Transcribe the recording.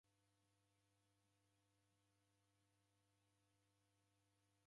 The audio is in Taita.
Naw'emeria skulu mori ghuchaa